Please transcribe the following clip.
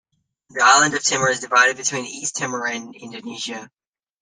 The island of Timor is divided between East Timor and Indonesia.